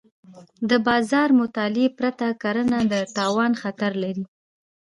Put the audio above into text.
د بازار مطالعې پرته کرنه د تاوان خطر لري.